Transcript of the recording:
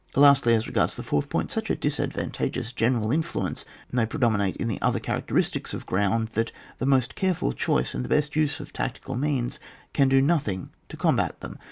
Lastly as regards the fourth point, such a disadvantageous general influence may predominate in the other characteristics of gpround, that the most careful choice, and the best use of tactical means, can do nothing to combat them.